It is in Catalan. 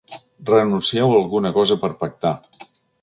Renuncieu a alguna cosa per pactar.